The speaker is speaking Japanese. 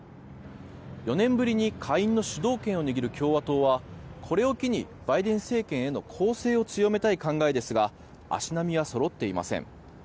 ４年ぶりに下院の主導権を握る共和党はこれを機にバイデン政権への攻勢を強めたい考えですが足並みはそろっていません。